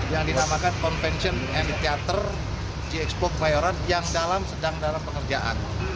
yang dinamakan convention and theater j expo kemayoran yang sedang dalam pengerjaan